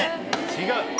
違う。